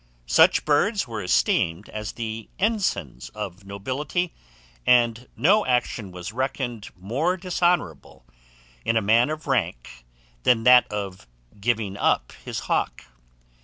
Such birds were esteemed as the ensigns of nobility, and no action was reckoned more dishonourable in a man of rank than that of giving up his hawk.